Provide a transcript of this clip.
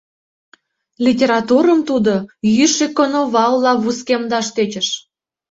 Литературым тудо йӱшӧ коновалла вускемдаш тӧчыш.